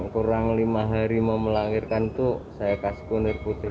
kurang lima hari mau melahirkan itu saya kasih kunir putih